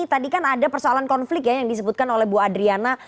tadi kan ada persoalan konflik ya yang disebutkan oleh bu adriana